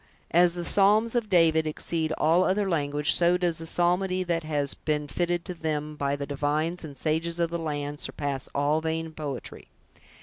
As the psalms of David exceed all other language, so does the psalmody that has been fitted to them by the divines and sages of the land, surpass all vain poetry.